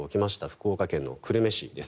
福岡県久留米市です。